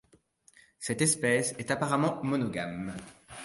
Cette espèce est apparemment monogame.